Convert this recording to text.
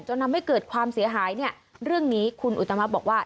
ทำให้เกิดความเสียหายเนี่ยเรื่องนี้คุณอุตมะบอกว่า